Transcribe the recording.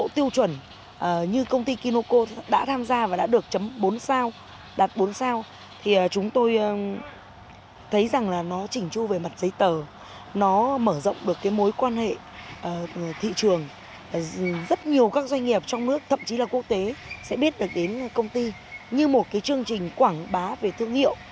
thị trường rất nhiều các doanh nghiệp trong nước thậm chí là quốc tế sẽ biết được đến công ty như một chương trình quảng bá về thương hiệu